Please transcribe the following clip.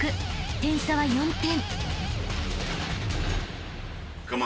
［点差は４点］